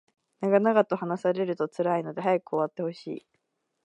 長々と話されると辛いので早く終わってほしい